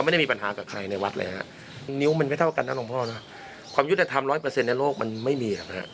ไม่เท่ากันนะหลังพ่อนาความยุทธภัณฑ์๑๐๐ในโลกมันไม่มีอะฮะ